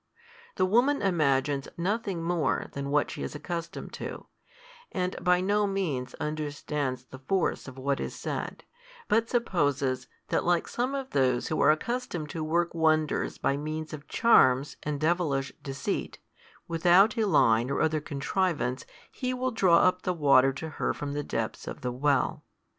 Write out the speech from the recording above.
The woman imagines nothing more than what she is accustomed to; and by no means understands the force of what is said, but supposes that like some of those who are accustomed to work wonders by means of charms and devilish deceit, without a line or other contrivance He will draw up the water to her from the depths of the well.